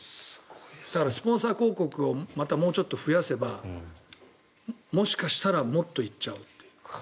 だからスポンサー広告をまたもうちょっと増やせばもしかしたらもっと行っちゃうっていう。